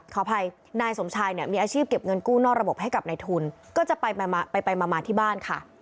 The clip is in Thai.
ขออภัยนายสมชายเนี่ยมีอาชีพเก็บเงินกู้นอกระบบให้กับนายทุนก็จะไปมาที่บ้านค่ะ